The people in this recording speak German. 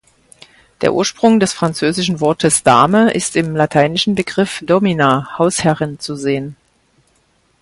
Der Ursprung des französischen Wortes "Dame" ist im lateinischen Begriff "domina" „Hausherrin“ zu sehen.